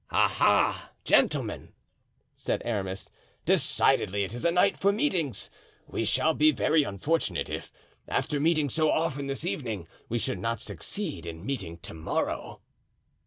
"Ah! ah! gentlemen," said Aramis, "decidedly it is a night for meetings. We shall be very unfortunate if, after meeting so often this evening, we should not succeed in meeting to morrow."